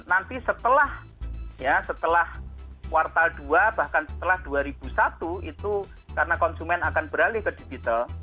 nanti setelah kuartal dua bahkan setelah dua ribu satu itu karena konsumen akan beralih ke digital